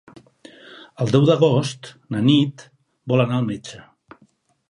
El deu d'agost na Nit vol anar al metge.